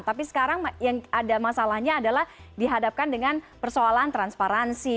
tapi sekarang yang ada masalahnya adalah dihadapkan dengan persoalan transparansi